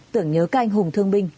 tưởng nhớ các anh hùng thương binh